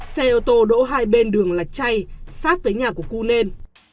xe ô tô đỗ hai bên đường lạch chay sát với nhà của cunên